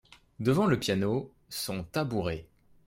Devant le piano, son tabouret.